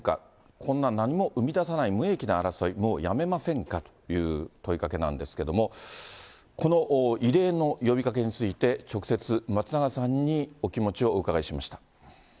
こんな何も生み出さない無益な争い、もうやめませんかという問いかけなんですけれども、この異例の呼びかけについて、直接、松永さんにお気持ちをお伺いしました。